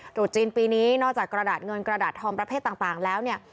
ตรุษจีนปีนี้นอกจากกระดาษเงินกระดาษทองประเภทต่างแล้วเนี่ย